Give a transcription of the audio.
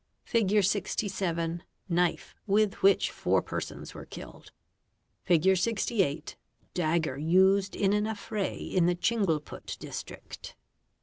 Figure 67: knife with which four persons were killed. Figure 68: dagger used in an affray in the Chingleput district.